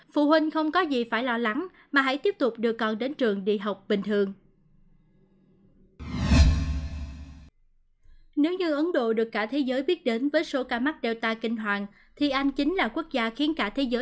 phụ huynh không có gì phải lo lắng mà hãy tiếp tục đưa con đến trường đi học bình thường